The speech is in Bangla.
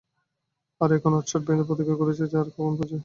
আর এখন আঁটসাঁট বেঁধে প্রতিজ্ঞা করেছেন আর কোনো র্যাপারের সঙ্গে সম্পর্ক নয়।